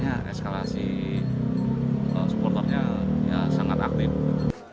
nah eskalasi supporternya sangat aktif